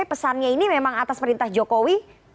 pesannya ini memang atas perintah jokowi